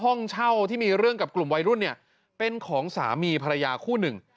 ห้องเช่าที่มีเรื่องกับกลุ่มวัยรุ่นเนี่ยเป็นของสามีภรรยาคู่หนึ่ง